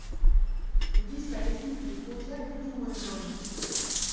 Le disque adhésif des podia est plus ou moins jaune.